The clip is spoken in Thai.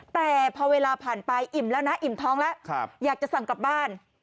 แต่พอเวลาผ่านไปอิ่มแล้วนะอิ่มท้องแล้วอยากจะสั่งกลับบ้าน